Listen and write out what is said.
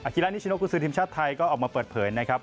กีฬานิชโนกุศือทีมชาติไทยก็ออกมาเปิดเผยนะครับ